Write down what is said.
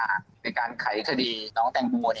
ในการไขคดีน้องแตงโม